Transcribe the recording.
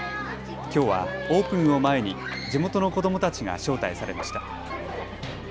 きょうはオープンを前に地元の子どもたちが招待されました。